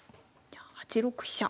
じゃあ８六飛車。